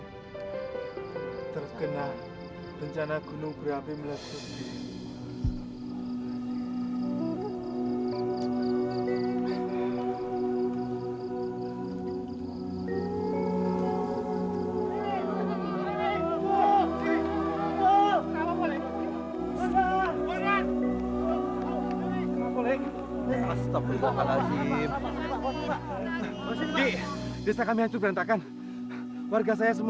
ini kesempatanku untuk memisahkan wasila dengan danau pujaanku